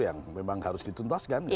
yang memang harus dituntaskan